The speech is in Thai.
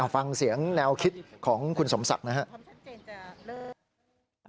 ฟังเสียงแนวคิดของคุณสมศักดิ์นะครับ